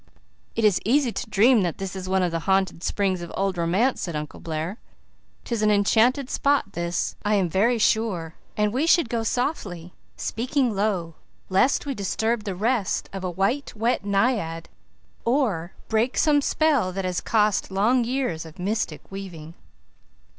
"It is easy to dream that this is one of the haunted springs of old romance," said Uncle Blair. "'Tis an enchanted spot this, I am very sure, and we should go softly, speaking low, lest we disturb the rest of a white, wet naiad, or break some spell that has cost long years of mystic weaving."